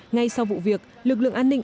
ngay sau vụ việc lực lượng an ninh